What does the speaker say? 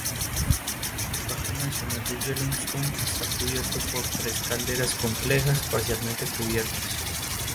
El Parque nacional de Yellowstone está cubierto por tres calderas complejas parcialmente cubiertas.